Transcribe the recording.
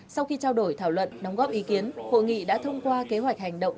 sau khi trao đổi thảo luận đóng góp ý kiến hội nghị đã thông qua kế hoạch hành động